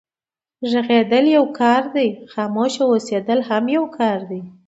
غږېدا يو کار دی، خاموشه اوسېدل هم يو کار دی.